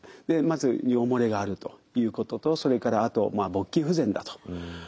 まず尿漏れがあるということとそれからあと勃起不全だと。